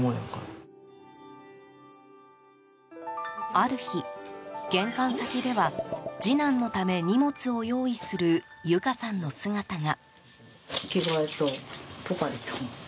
ある日、玄関先では次男のため、荷物を用意する由香さんの姿が。